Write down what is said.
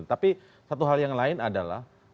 tapi satu hal yang lain adalah